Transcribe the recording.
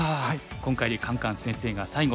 今回でカンカン先生が最後。